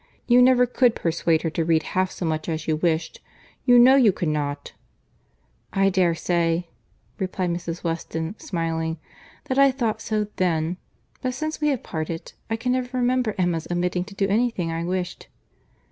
—You never could persuade her to read half so much as you wished.—You know you could not." "I dare say," replied Mrs. Weston, smiling, "that I thought so then;—but since we have parted, I can never remember Emma's omitting to do any thing I wished."